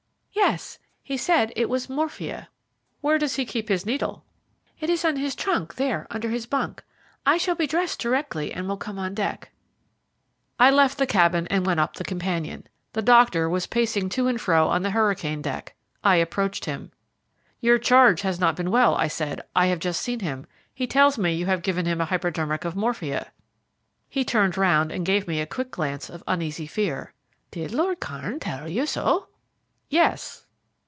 "Yes, he said it was morphia." "Where does he keep his needle?" "In his trunk there under his bunk. I shall be dressed directly, and will come on deck." I left the cabin and went up the companion. The doctor was pacing to and fro on the hurricane deck. I approached him. "Your charge has not been well," I said, "I have just seen him. He tells me you have give him a hypodermic of morphia." He turned round and gave me a quick glance of uneasy fear. "Did Lord Kairn tell you so?" "Yes."